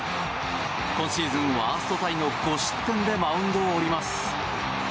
今シーズンワーストタイの５失点でマウンドを降ります。